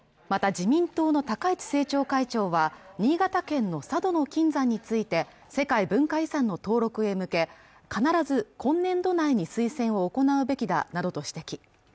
また自民党の高市政調会長は新潟県の佐渡島の金山について世界文化遺産の登録へ向け必ず今年度内に推薦を行うべきだなどと指摘